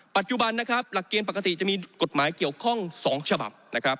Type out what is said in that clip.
ปัจจุบันหลักเกณฑ์ปกติจะมีกฎหมายเกี่ยวข้อง๒ฉบับ